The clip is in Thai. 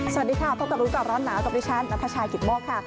สวัสดีค่ะพบกับรู้ก่อนร้อนหนาวกับดิฉันนัทชายกิตโมกค่ะ